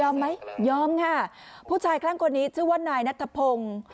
อ้าวยอมไหมยอมค่ะพูดชายแค่งคนนี้ชื่อว่านายนัทธพงค์